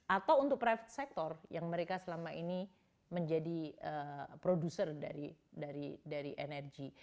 atau untuk private sector yang mereka selama ini menjadi produser dari energi